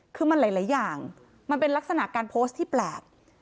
คือมันหลายอย่างมันเป็นลักษณะการโพสต์ที่แปลก